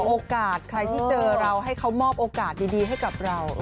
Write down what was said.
โอกาสใครที่เจอเราให้เขามอบโอกาสดีให้กับเรา